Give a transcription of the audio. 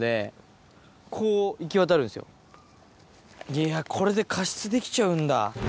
いやこれで加湿できちゃうんだ。